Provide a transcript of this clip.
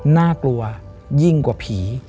น่ากลัวยิ่งกว่าผี